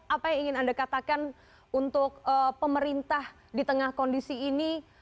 apa yang ingin anda katakan untuk pemerintah di tengah kondisi ini